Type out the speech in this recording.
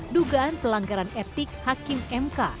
dugaan pelanggaran etik hakim mk